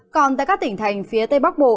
còn tại các tỉnh thành phía tây bắc bộ